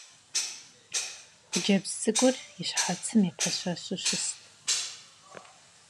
Хъыджэбз цӏыкӏур и щхьэцым епэщэщу щыст.